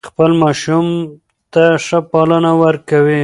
خپل ماشوم ته ښه پالنه ورکوي.